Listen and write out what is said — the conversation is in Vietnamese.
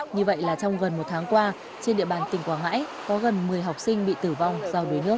như vậy là trong gần một tháng qua trên địa bàn tỉnh quảng ngãi có gần một mươi học sinh bị tử vong